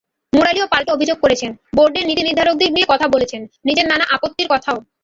মুরালিও পাল্টা অভিযোগ করেছেন, বোর্ডের নীতিনির্ধারকদের নিয়ে বলেছেন নিজের নানা আপত্তির কথাও।